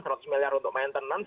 rp seratus untuk maintenance